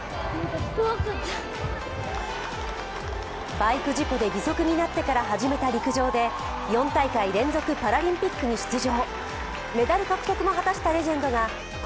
バイク事故で義足になってから始めた陸上で４大会連続パラリンピックに出場。